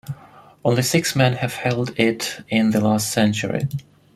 Only six men have held it in the last century.